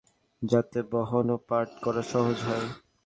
যাতে বহন ও পাঠ করা সহজ হয়।